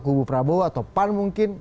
kubu prabowo atau pan mungkin